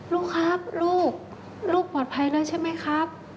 ลูกครับลูกลูกปลอดภัยแล้วใช่ไหมครับ